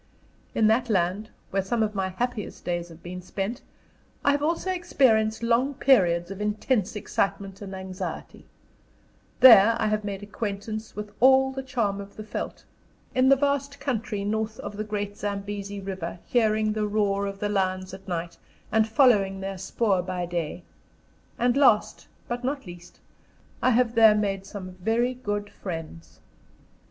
In that land, where some of my happiest days have been spent, I have also experienced long periods of intense excitement and anxiety; there I have made acquaintance with all the charm of the veldt, in the vast country north of the great Zambesi River, hearing the roar of the lions at night, and following their "spoor" by day; and last, but not least, I have there made some very good friends.